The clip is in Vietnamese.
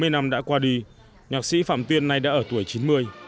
bảy mươi năm đã qua đi nhạc sĩ phạm tuyên nay đã ở tuổi chín mươi